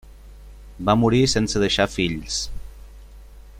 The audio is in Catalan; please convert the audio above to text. Va morir sense deixar fills.